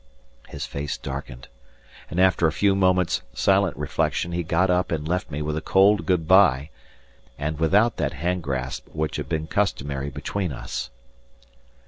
His face darkened, and after a few moments' silent reflection he got up and left me with a cold good bye, and without that hand grasp which had been customary between us.